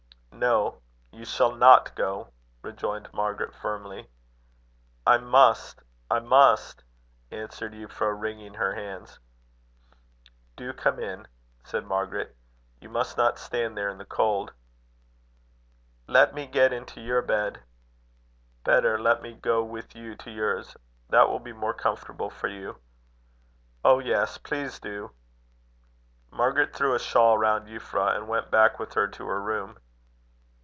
"No, you shall not go," rejoined Margaret, firmly. "I must, I must," answered Euphra, wringing her hands. "Do come in," said Margaret, "you must not stand there in the cold." "Let me get into your bed." "Better let me go with you to yours. That will be more comfortable for you." "Oh! yes; please do." Margaret threw a shawl round Euphra, and went back with her to her room.